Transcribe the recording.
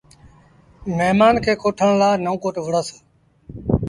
مهممآݩ کي ڪوٺڻ لآ نئون ڪوٽ وُهڙس۔